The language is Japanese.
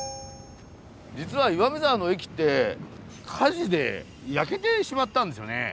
実は岩見沢の駅って火事で焼けてしまったんですよね。